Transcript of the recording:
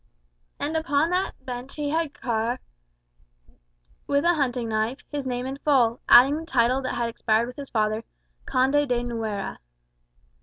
And upon that bench he had carved, with a hunting knife, his name in full, adding the title that had expired with his father, "Conde de Nuera."